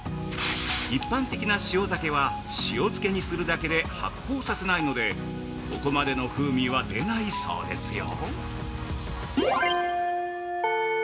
一般的な「塩鮭」は、塩漬けにするだけで発酵させないので、ここまでの風味は出ないそうですよ？